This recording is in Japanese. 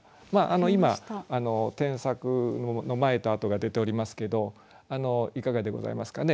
今添削の前と後が出ておりますけどいかがでございますかね？